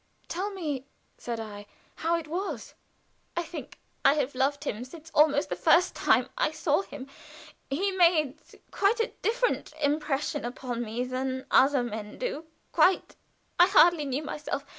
"Tell me," said I, "how it was." "I think I have loved him since almost the first time I saw him he made quite a different impression upon me than other men do quite. I hardly knew myself.